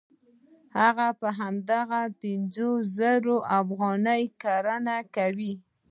هغه په هماغه پنځه سوه زره افغانۍ کرنه کوي